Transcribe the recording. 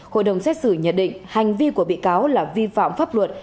hội đồng xét xử nhận định hành vi của bị cáo là vi phạm pháp luật